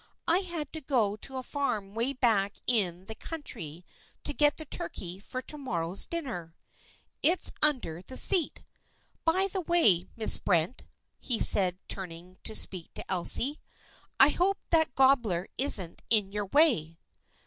I had to go to a farm way back in the country to get the turkey for to morrow's dinner. It's under the seat. By the way, Miss Brent," he said turning to speak to Elsie, " I hope that gob bler isn't in your way."